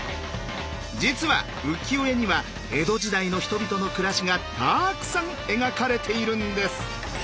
実は浮世絵には江戸時代の人々の暮らしがたくさん描かれているんです。